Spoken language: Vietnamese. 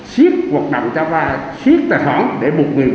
nếu dùng vay lãi nặng